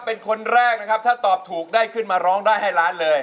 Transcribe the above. เป็นคนแรกนะครับถ้าตอบถูกได้ขึ้นมาร้องได้ให้ล้านเลย